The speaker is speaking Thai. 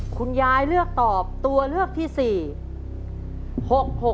คุณยายเลือกตอบตัวเลือกต่อครับ